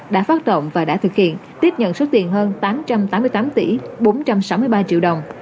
đã phát động và đã thực hiện tiếp nhận số tiền hơn tám trăm tám mươi tám tỷ bốn trăm sáu mươi ba triệu đồng